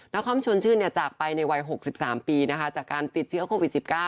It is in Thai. คอมชวนชื่นจากไปในวัย๖๓ปีจากการติดเชื้อโควิด๑๙